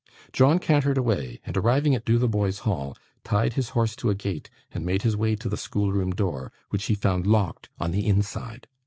John cantered away, and arriving at Dotheboys Hall, tied his horse to a gate and made his way to the schoolroom door, which he found locked on the inside.